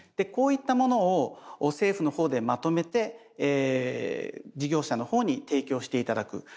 こういったものを政府のほうでまとめて事業者のほうに提供して頂く。